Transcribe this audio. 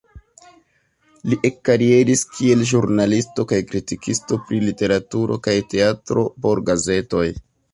Li ekkarieris kiel ĵurnalisto kaj kritikisto pri literaturo kaj teatro por gazetoj.